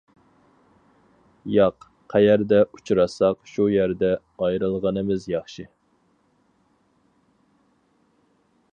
-ياق، قەيەردە ئۇچراشساق شۇ يەردە ئايرىلغىنىمىز ياخشى.